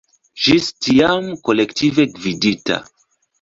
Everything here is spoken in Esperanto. Ĝis tiam kolektive gvidita.